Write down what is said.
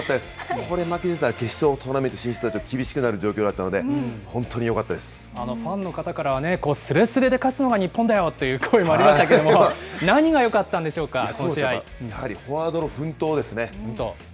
ここで負けてたら決勝トーナメント進出、厳しくなる状況だったのファンの方からは、すれすれで勝つのが日本だよという声もありましたけれども、何がよかったやはりフォワードの奮闘ですね。